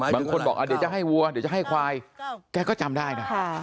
บางคนบอกเดี๋ยวจะให้วัวเดี๋ยวจะให้ควายแกก็จำได้นะ